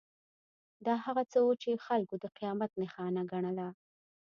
دا هغه څه وو چې خلکو د قیامت نښانه ګڼله.